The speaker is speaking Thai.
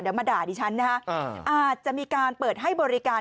เดี๋ยวมาด่าดิฉันนะคะอาจจะมีการเปิดให้บริการ